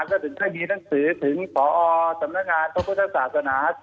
ก็ถึงได้มีหนังสือถึงพอสำนักงานพระพุทธศาสนา